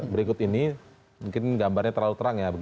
berikut ini mungkin gambarnya terlalu terang ya